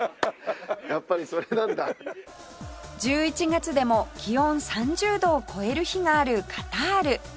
１１月でも気温３０度を超える日があるカタール